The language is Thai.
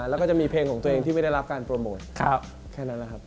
แล้วก็จะมีเพลงของตัวเองที่ไม่ได้รับการโปรโมทแค่นั้นนะครับ